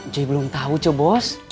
cuy belum tau cuh bos